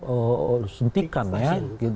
oh suntikan ya